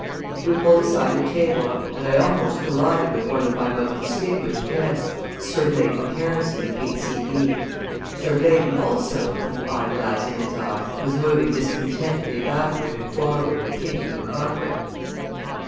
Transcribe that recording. We pulled aside a table and I almost collided with one of my most distinguished guests Sir Blaydon Harrison, K.C.B. Sir Blaydon also, with an eyeglass in his eye, was moving discontentedly backward and forward, kicking the carpet.